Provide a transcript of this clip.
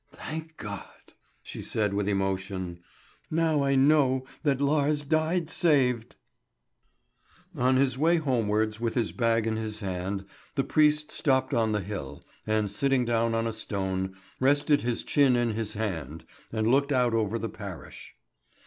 "Thank God!" she said with emotion. "Now I know that Lars died saved." On his way homewards with his bag in his hand the priest stopped on the hill, and sitting down on a stone, rested his chin in his hand, and looked out over the parish.